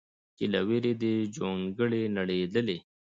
چې له ویرې دې جونګړې نړېدلې